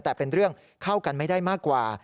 แต่เป็นเรื่องเข้ากันไม่ได้มากกว่า